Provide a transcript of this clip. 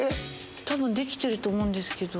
多分できてると思うんですけど。